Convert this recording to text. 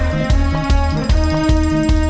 สวัสดีค่ะ